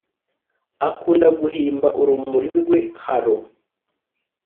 akunda guhimba urumuri rwe halo